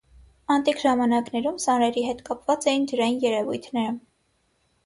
Անտիկ ժամանակներում սանրերի հետ կապված էին ջրային երևույթները։